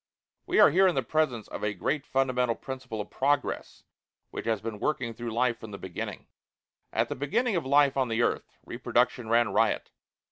We are here in the presence of a great fundamental principle of progress which has been working through life from the beginning. At the beginning of life on the earth, reproduction ran riot.